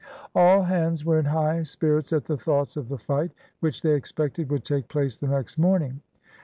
All hands were in high spirits at the thoughts of the fight, which they expected would take place the next morning.